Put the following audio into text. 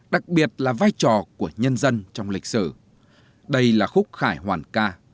đặc biệt là vai trò của nhân dân trong lịch sử đây là khúc khải hoàn ca